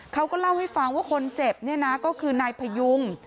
เขาก็เล่าให้ฟังว่าคนเจ็บเนี่ยนะก็คือนายพยุง